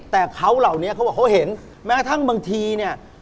แต่เขาเห็นแม้กระทั่งบางทีเนี่ย